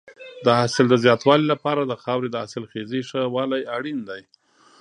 د حاصل د زیاتوالي لپاره د خاورې د حاصلخېزۍ ښه والی اړین دی.